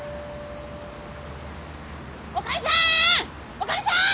女将さん！